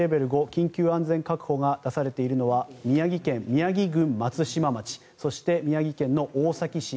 ５緊急安全確保が出されているのは宮城県宮城郡松島町そして宮城県の大崎市